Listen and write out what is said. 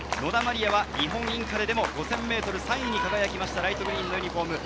理耶は日本インカレでも５０００ｍ、３位に輝きました、ライトグリーンのユニホーム。